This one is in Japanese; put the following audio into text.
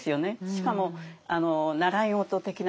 しかも習い事的なもの